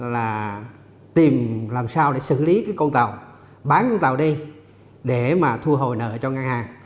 là tìm làm sao để xử lý cái con tàu bán con tàu đi để mà thu hồi nợ cho ngân hàng